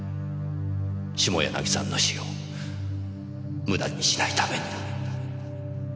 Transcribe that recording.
下柳さんの死を無駄にしないためにも。